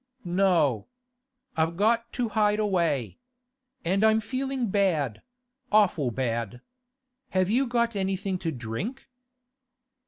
'No. I've got to hide away. And I'm feeling bad—awful bad. Have you got anything to drink?